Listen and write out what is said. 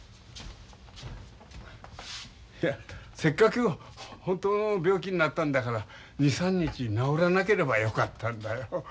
せっかく本当の病気になったんだから２３日治らなければよかったんだよ。